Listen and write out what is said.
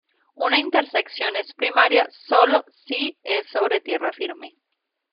Una intersección es primaria sólo si es sobre tierra firme.